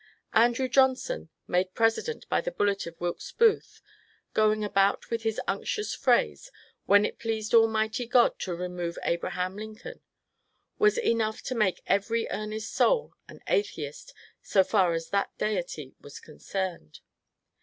Andrew Johnson, made President by the bullet of Wilkes Booth, going about with his unctuous phrase, ' when it pleased Almighty God to remove Abraham Lin coln," was enough to make every earnest soul an atheist so far as that deity was concerned.